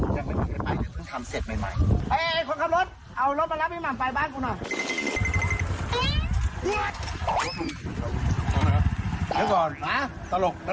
เดินไปลุงไปดีกว่าเดี๋ยวก็ทำเสร็จใหม่